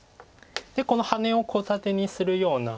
でこのハネをコウ立てにするような。